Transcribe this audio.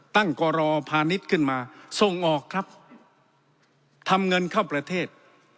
กรพาณิชย์ขึ้นมาส่งออกครับทำเงินเข้าประเทศ